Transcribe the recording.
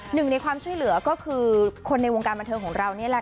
หนึ่งในความช่วยเหลือก็คือคนในวงการบันเทิงของเรานี่แหละ